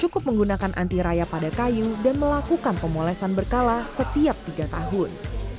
cukup menggunakan anti raya pada kayu dan melakukan pemolesan berkala setiap tiga tahun